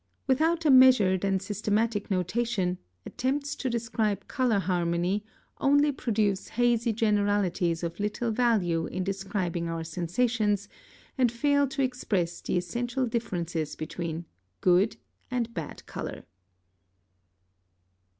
Without a measured and systematic notation, attempts to describe color harmony only produce hazy generalities of little value in describing our sensations, and fail to express the essential differences between "good" and "bad" color.